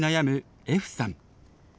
歩さん。